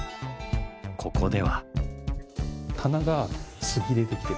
ここでは。